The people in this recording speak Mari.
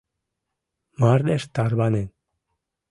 Мардеж тарванен.